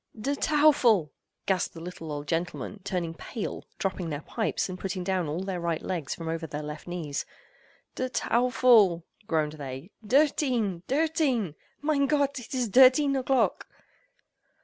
"Der Teufel!" gasped the little old gentlemen, turning pale, dropping their pipes, and putting down all their right legs from over their left knees. "Der Teufel!" groaned they, "Dirteen! Dirteen!!—Mein Gott, it is Dirteen o'clock!!"